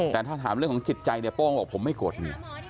แต่ถ้าถามเรื่องของจิตใจโป้งบอกว่าผมไม่โกรธเมีย